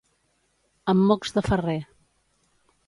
Amb mocs de ferrer.